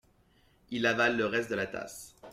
Il avale le reste de la tasse.